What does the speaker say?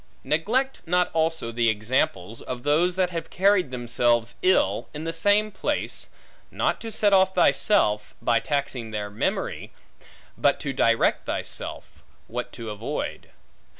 Neglect not also the examples, of those that have carried themselves ill, in the same place; not to set off thyself, by taxing their memory, but to direct thyself, what to avoid.